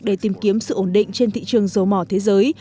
để tìm kiếm sự ổn định trên thị trường dầu mỏ thế giới